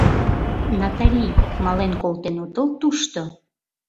— Натали, мален колтен отыл тушто?